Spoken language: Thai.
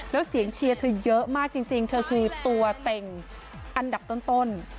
แล้วเสียงเชียร์เธอเยอะมากจริงเธอคือตัวเต็งอันดับต้น